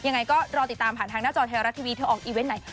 ยังไงก็รอติดตามผ่านทางหน้าจอไทยรัฐทีวีเธอออกอีเวนต์ไหน